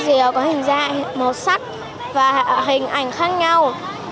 thì có hình dạng màu sắc và hình ảnh khác nhau